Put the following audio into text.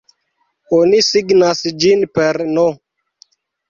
Oni signas ĝin per "n!